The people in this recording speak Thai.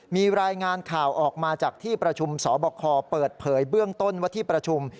มีรายงานข่าวออกมาจากที่ประชุมสบคเปิดเผยเบื้องต้นว่าที่ประชุม